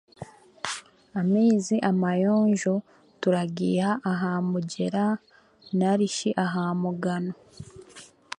Amaizi amayonjo turagaiha aha mugyera narishi aha mugano